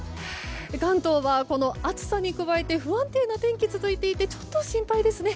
関東はこの暑さに加えて不安定な天気が続いていてちょっと心配ですよね。